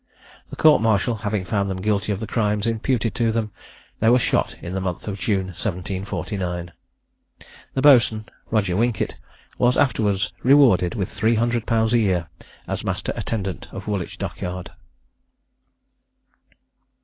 The court martial having found them guilty of the crimes imputed to them, they were shot in the month of June 1749. The boatswain (Roger Winket) was afterwards rewarded with three hundred pounds a year, as master attendant of Woolwich dockyard.